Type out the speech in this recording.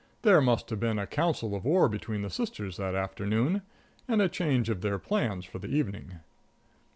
There must have been a council of war between the sisters that afternoon, and a change of their plans for the evening.